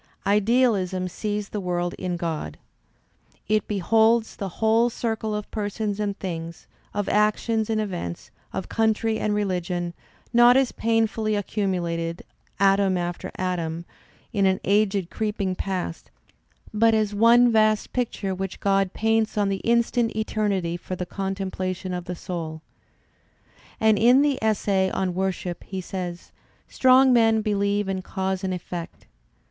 "Idealism sees the world in God. It beholds the whole circle of persons and things, of actions and events, of country Digitized by Google EMERSON 59 and religion, not as painfully accumulated, atom after atom, in an aged creeping past, but as one vast picture which God paints on the instant eternity for the contemplation of the soul/* And in the essay on " Worship *' he says :" Strong men believe in cause and effect.